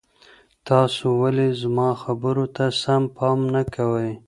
تاسو ولي زما خبرو ته سم پام نه کوئ؟